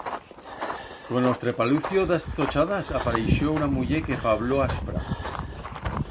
Con o estrapalucio d'as tochadas aparixió una muller que fabló aspra.